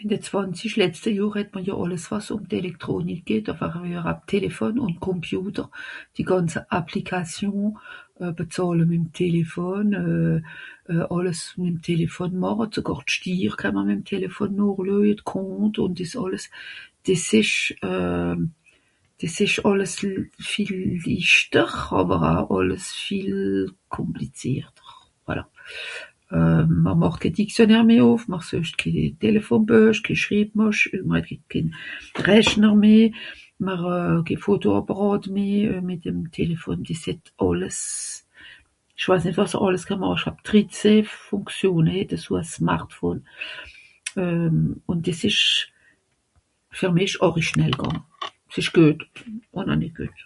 Ìn de zwànzisch letschte Johr het mr jo àlles wàs ùm d'Elektronik geht, enfin mr hàt Téléfon ùn Computer, die gànze Applications euh... bezàhle mì'm Téléfon euh... àlles mì'm Téléfon màche zogàr d'Stir kà'mr mì'm Téléfon nochlueje, d'Comptes ùn dìs àlles. Dìs ìsch euh dìs ìsch àlles viel lichter àwer au àlles viel kùmplizierter. Voilà. Euh mìr màcht ké Dictionnaire meh ùff, mr suecht ké Téléfonbuech, ké Schribmàsch... (...). Mìr euh ké Fotoàppàràt meh, mìt'm Téléfon dìs het àlles.... ìch weis nìt wàs (...) drizeh Fùnkrione het eso e Smartphon. Euh ùn dìs ìsch fer mich àri schnell gànge. S'ìsch güet ùn au nìt güet.